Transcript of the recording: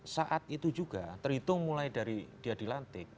saat itu juga terhitung mulai dari dia dilantik